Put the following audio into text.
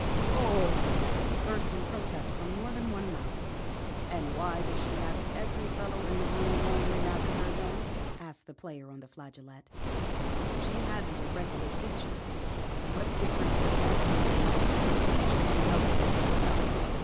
Oh!" burst in protest from more than one mouth. "And why does she have every fellow in the room dangling after her, then?" asked the player on the flageolet. "She hasn't a regular feature." "What difference does that make when it isn't her features you notice, but herself?"